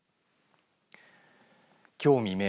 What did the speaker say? きょう未明